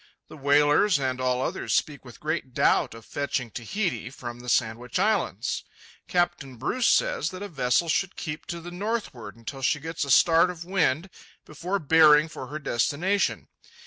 The whalers and all others speak with great doubt of fetching Tahiti from the Sandwich islands. _Capt. Bruce says that a vessel should keep to the northward until she gets a start of wind before bearing for her destination_.